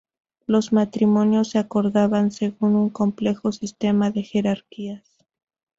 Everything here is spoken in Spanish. Los matrimonios se acordaban según un complejo sistema de jerarquías.